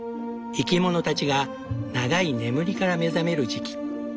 生き物たちが長い眠りから目覚める時期。